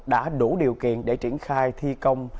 đã đủ điều kiện để triển khai thi công